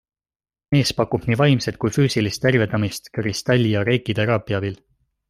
Mees pakub nii vaimset kui füüsilist tervendamist kristalli- ja reikiteraapia abil.